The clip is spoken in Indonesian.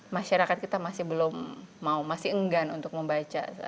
masyarakat kita masih belum mau masih enggan untuk membaca